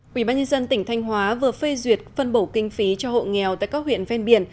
quỹ ban nhân dân tỉnh thanh hóa vừa phê duyệt phân bổ kinh phí cho hộ nghèo tại các huyện ven biển